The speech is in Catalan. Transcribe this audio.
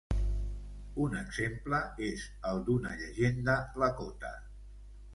Un exemple és el d'una llegenda Lakota.